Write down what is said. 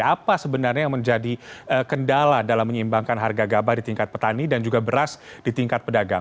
apa sebenarnya yang menjadi kendala dalam menyeimbangkan harga gabah di tingkat petani dan juga beras di tingkat pedagang